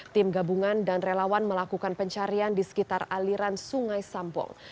tim gabungan dan relawan melakukan pencarian di sekitar aliran sungai sambong